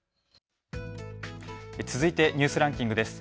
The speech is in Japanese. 続いてニュースランキングです。